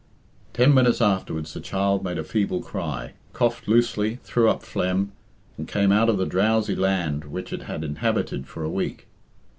Ten minutes afterwards the child made a feeble cry, coughed loosely, threw up phlegm, and came out of the drowsy land which it had inhabited for a week.